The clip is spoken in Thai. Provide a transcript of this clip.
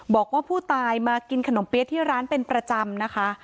บอกว่าผู้ตายมากินขนมเปี๊ยะที่ร้านเป็นประจำนะคะ